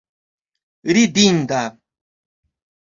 ridinda